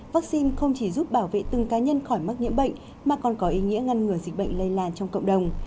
vaccine không chỉ giúp bảo vệ từng cá nhân khỏi mắc nhiễm bệnh mà còn có ý nghĩa ngăn ngừa dịch bệnh lây lan trong cộng đồng